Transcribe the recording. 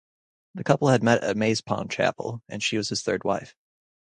The couple had met at Maze Pond Chapel and she was his third wife.